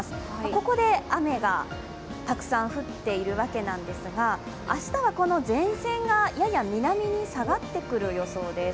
ここで雨がたくさん降っているわけなんですが、明日はこの前線がやや南に下がってくる予想です。